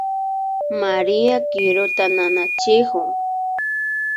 María kiruta nanachikun